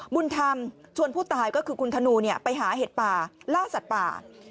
บุญธรรมชวนผู้ตายก็คือคุณธนูไปหาเห็ดป่าล่าสัตว์ป่า